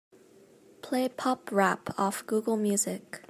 Play pop-rap off Google Music.